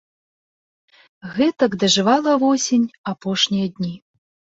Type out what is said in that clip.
Гэтак дажывала восень апошнія дні.